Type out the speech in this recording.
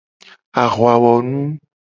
Ahuawonu.